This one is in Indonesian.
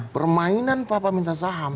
permainan papa minta saham